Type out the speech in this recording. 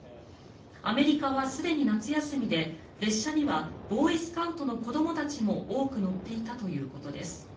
アメリカはすでに夏休みで列車にはボーイスカウトの子どもたちも多く乗っていたということです。